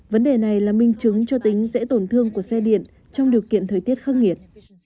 vấn đề này là minh chứng cho tính dễ tổn thương của xe điện trong điều kiện thời tiết khắc nghiệt